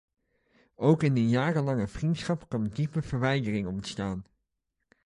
Ook in een jarenlange vriendschap kan diepe verwijdering ontstaan.